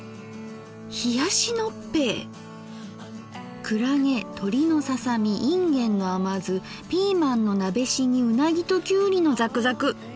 「冷やしのっぺいくらげとりのささみいんげんの甘酢ピーマンのなべしぎうなぎときゅうりのザクザク」。